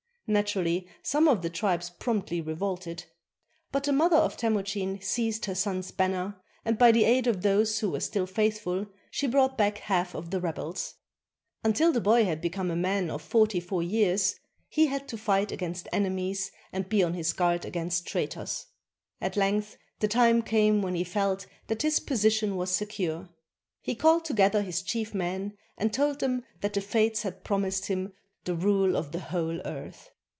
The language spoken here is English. Naturally, some of the tribes promptly revolted; but the mother of Temuchin seized her son's banner and by the aid of those who were still faithful, she brought back half of the rebels. Until the boy had become a man of forty four years, he had to fight against enemies and be on his guard against traitors. At length the time came when he felt that his position was secure. He called together his chief men and told them that the fates had promised him the rule of the whole earth.